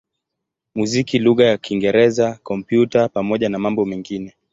muziki lugha ya Kiingereza, Kompyuta pamoja na mambo mengine.